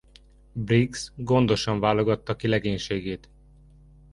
Briggs gondosan válogatta ki legénységét.